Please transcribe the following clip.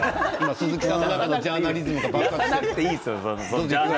鈴木さんの中のジャーナリズムが爆発している。